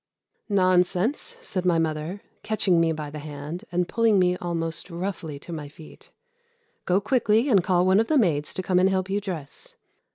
"Nonsense!" said my mother, catching me by the hand and pulling me almost roughly to my feet. "Go quickly and call one of the maids to come and help you dress.